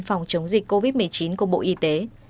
phòng chống dịch covid một mươi chín của bộ y tế